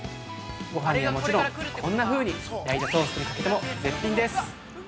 ごはんにはもちろん、こんなふうに焼いたトーストにかけても絶品です。